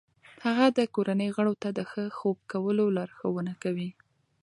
هغه د کورنۍ غړو ته د ښه خوب کولو لارښوونه کوي.